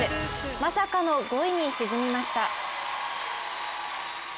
まさかの５位に沈みました。